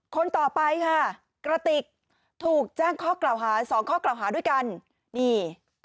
คนต่อไปค่ะกระติกถูกแจ้งข้อกล่าวหาสองข้อกล่าวหาด้วยกันนี่